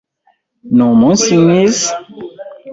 Ni umunsi mwiza!